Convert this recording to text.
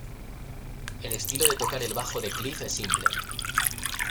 El estilo de tocar el bajo de Cliff es simple.